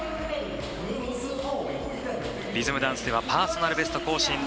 リズムダンスではパーソナルベスト更新